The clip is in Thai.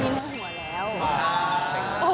มีหน้าหัวแล้ว